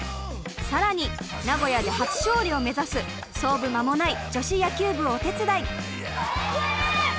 更に名古屋で初勝利を目指す創部間もない女子野球部をお手伝い。